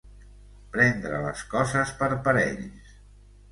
Prendre les coses per parells.